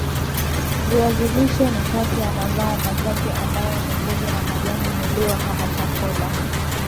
Viazi lishe ni kati ya mazao machache ambayo mizizi na majani huliwa kama chakula